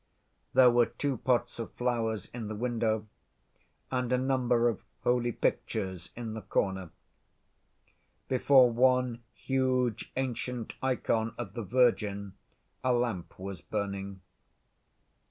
There were two pots of flowers in the window, and a number of holy pictures in the corner. Before one huge ancient ikon of the Virgin a lamp was burning.